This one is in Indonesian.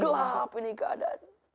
gelap ini keadaan